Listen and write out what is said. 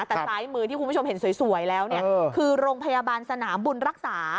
แต่ซ้ายมือที่คุณผู้ชมเห็นสวยแล้วเนี่ยคือโรงพยาบาลสนามบุญรักษา